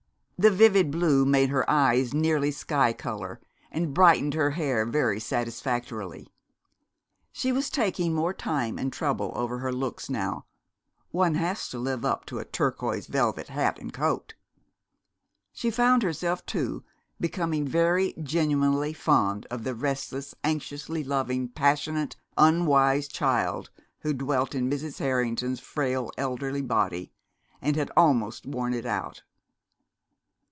The vivid blue made her eyes nearly sky color, and brightened her hair very satisfactorily. She was taking more time and trouble over her looks now one has to live up to a turquoise velvet hat and coat! She found herself, too, becoming very genuinely fond of the restless, anxiously loving, passionate, unwise child who dwelt in Mrs. Harrington's frail elderly body and had almost worn it out.